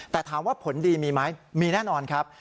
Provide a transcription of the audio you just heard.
แต่ถามว่าผลดีมีไหมมีแน่นอนครับ